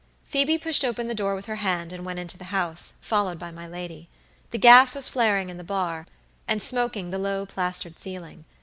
Phoebe pushed open the door with her hand, and went into the house, followed by my lady. The gas was flaring in the bar, and smoking the low plastered ceiling.